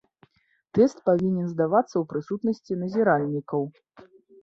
Тэст павінен здавацца ў прысутнасці назіральнікаў.